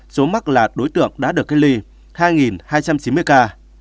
số mắc là đối tượng đã được cách ly hai hai trăm chín mươi ca